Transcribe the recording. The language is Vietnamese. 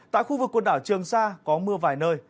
tại khu vực quần đảo trường sa có mưa vài nơi